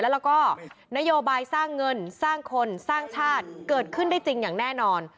แล้วก็นโยบายสร้างเงินสร้างคนสร้างชาติเกิดขึ้นได้จริงอย่างแน่นอน